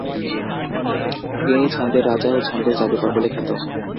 তিনি ছন্দের রাজা ও ছন্দের যাদুকর বলে খ্যাত।